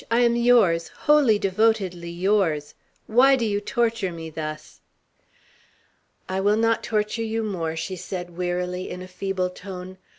"I am yours, wholly, devotedly yours! Why do you torture me thus?" "I will not torture you more," she said wearily, in a feeble tone.